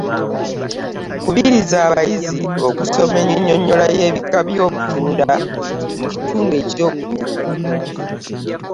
Kubiriza abayizi okusoma ennyinyonnyola y’ebika by’obutunda mu kitundu ekyokubiri.